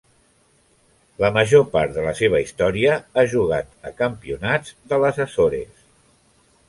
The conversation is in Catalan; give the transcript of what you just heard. La major part de la seva història ha jugat a campionats de les Açores.